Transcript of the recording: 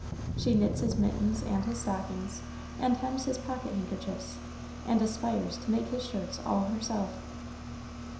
She knits his mittens and his stockings, and hems his pocket handkerchiefs, and aspires to make his shirts all herself.